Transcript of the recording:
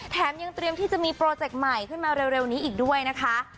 แถมยังเตรียมที่จะมีโปรเจคใหม่ขึ้นมาเร็วนี้อีกด้วยนะคะ